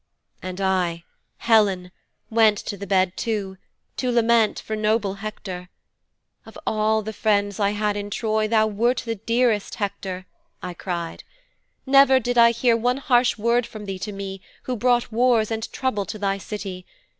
"' 'And I, Helen, went to the bed too, to lament for noble Hector. "Of all the friends I had in Troy, thou wert the dearest, Hector," I cried. "Never did I hear one harsh word from thee to me who brought wars and troubles to thy City.